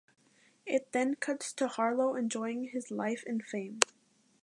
It then cuts to Harlow enjoying his life in fame.